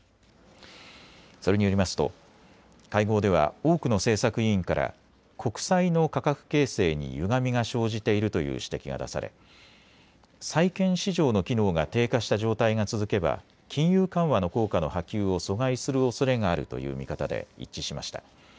それによりますと会合では多くの政策委員から国債の価格形成にゆがみが生じているという指摘が出され債券市場の機能が低下した状態が続けば金融緩和の効果の波及を阻害するおそれがあるという見方で一致しました。